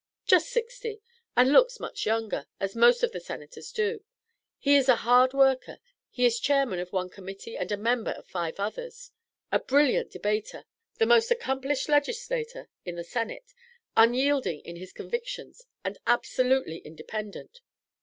"Just sixty, and looks much younger, as most of the Senators do. He is a hard worker he is Chairman of one Committee and a member of five others; a brilliant debater, the most accomplished legislator in the Senate, unyielding in his convictions, and absolutely independent.